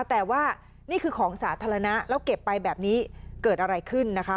แต่ว่านี่คือของสาธารณะแล้วเก็บไปแบบนี้เกิดอะไรขึ้นนะคะ